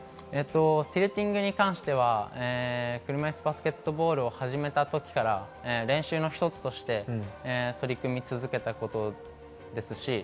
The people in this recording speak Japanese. ティルティングは車いすバスケットボールを始めた時から練習の一つとして取り組み続けたことです。